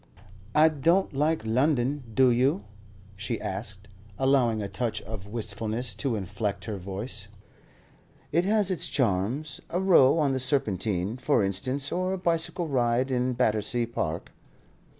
"I don't like London, do you?" she asked, allowing a touch of wistfulness to inflect her voice. "It has its charms. A row on the Serpentine, for instance, or a bicycle ride in Battersea Park."